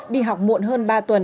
đi học muộn hơn ba tuần